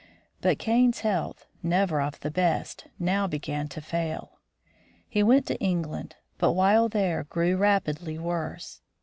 But Kane's health, never of the best, now began to fail. He went to England, but while there grew rapidly worse.